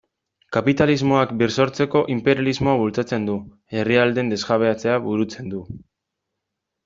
Kapitalismoak birsortzeko inperialismoa bultzatzen du, herrialdeen desjabetzea burutzen du...